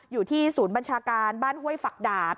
อยู่ที่ศูนย์บัญชาการบ้านห้วยฝักดาบ